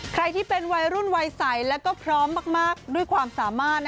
ใครที่เป็นวัยรุ่นวัยใสแล้วก็พร้อมมากด้วยความสามารถ